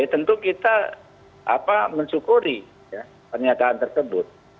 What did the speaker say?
tentu kita apa mensyukuri ya pernyataan tersebut